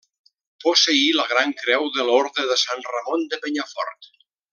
Posseí la Gran Creu de l'Orde de Sant Ramon de Penyafort.